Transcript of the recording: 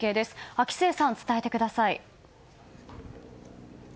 秋末さん、伝えてください。